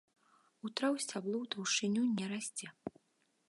У траў сцябло ў таўшчыню не расце.